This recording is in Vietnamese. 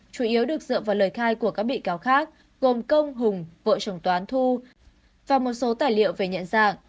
chủ yếu được dựa vào lời khai của các bị cáo khác gồm công hùng vợ chồng toán thu và một số tài liệu về nhận dạng